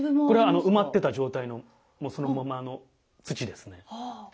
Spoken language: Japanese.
これ埋まってた状態のそのままの土ですね。